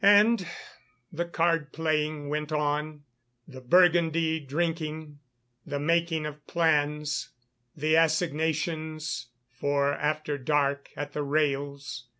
And the card playing went on, the Burgundy drinking, the making of plans, the assignations for after dark at the rails.